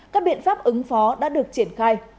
các biện pháp ứng phó đã được triển khai